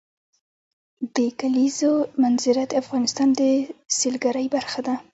د کلیزو منظره د افغانستان د سیلګرۍ برخه ده.